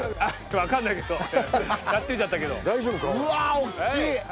分かんないけどやってみちゃったけど大丈夫か？